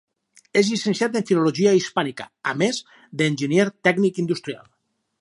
És llicenciat en filologia hispànica, a més, d'enginyer tècnic industrial.